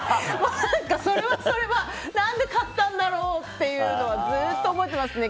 それはそれは何で買ったんだろうというのはずっと思っていますね。